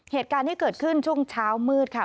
เหตุการณ์ที่เกิดขึ้นช่วงเช้ามืดค่ะ